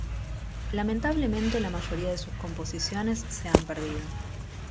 Lamentablemente, la mayoría de sus composiciones se han perdido.